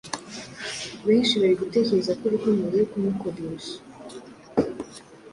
Benshi bari gutekereza ko urukundo ruri kumukoresha